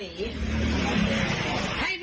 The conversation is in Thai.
มีคนอยู่ไหมคะ